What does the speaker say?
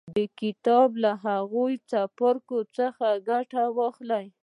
د کتاب له هغو څپرکو څخه ګټه واخلئ